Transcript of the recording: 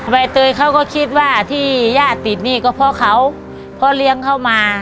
ใบเตยเขาก็คิดว่าที่ญาติติดนี่ก็เพราะเขาเพราะเลี้ยงเข้ามา